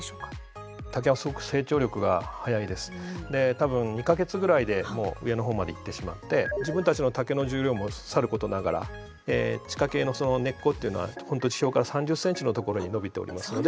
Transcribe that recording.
多分２か月ぐらいでもう上の方まで行ってしまって自分たちの竹の重量もさることながら地下茎のその根っこっていうのは本当に地表から３０センチの所に伸びておりますので。